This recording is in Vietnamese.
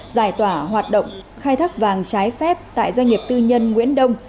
giải tỏa hoạt động khai thác vàng trái phép tại doanh nghiệp tư nhân nguyễn đông